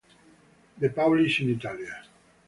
De Paolis in Italia.